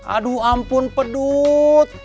aduh ampun pedut